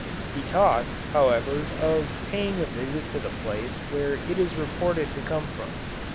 He talks, however, of paying a visit to the place where it is reported to come from.